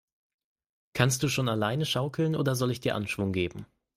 Kannst du schon alleine schaukeln, oder soll ich dir Anschwung geben?